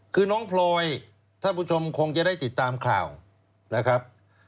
คือน้องพลอยท่านผู้ชมคงจะได้ติดตามข่าวนะครับ